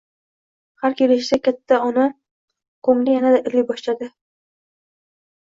har kelishida katta ona ko'ngli yanada iliy boshladi.